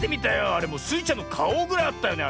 あれもうスイちゃんのかおぐらいあったよね